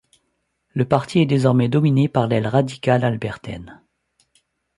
Le parti est désormais dominé par l'aile radicale albertaine.